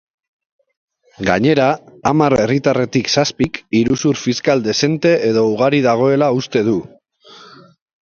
Gainera, hamar herritarretik zazpik iruzur fiskal dezente edo ugari dagoela uste du.